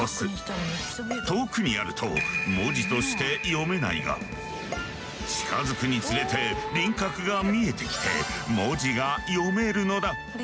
遠くにあると文字として読めないが近づくにつれて輪郭が見えてきて文字が読めるのだ。